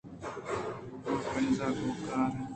آپنزگائیور